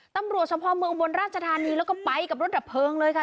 ตำรวจสมภาพเมืองอุบลราชธานีแล้วก็ไปกับรถดับเพลิงเลยค่ะ